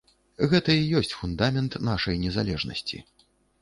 Гэта і ёсць фундамент нашай незалежнасці.